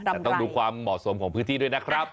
แต่ต้องดูความเหมาะสมของพื้นที่ด้วยนะครับ